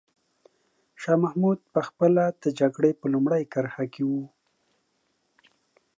شاه محمود په خپله د جګړې په لومړۍ کرښه کې و.